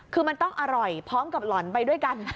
คือมันต้องอร่อยพร้อมกับหล่อนไปด้วยกัน